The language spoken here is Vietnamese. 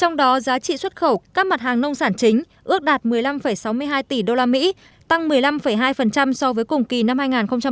trong đó giá trị xuất khẩu các mặt hàng nông sản chính ước đạt một mươi năm sáu mươi hai tỷ usd tăng một mươi năm hai so với cùng kỳ năm hai nghìn một mươi tám